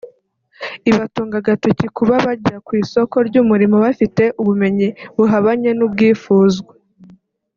ibatunga agatoki kuba bajya ku isoko ry’umurimo bafite ubumenyi buhabanye n’ubwifuzwa